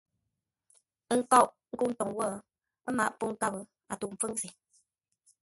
Ə́ nkóʼ ńkə́u ntoŋ wó, ə́ mǎʼ pô ńkáp, a tə̂u ḿpfúŋ se.